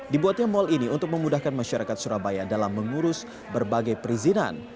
dibuatnya mal ini untuk memudahkan masyarakat surabaya dalam mengurus berbagai perizinan